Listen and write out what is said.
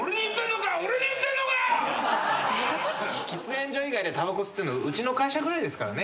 喫煙所以外でたばこ吸ってんのうちの会社ぐらいですからね。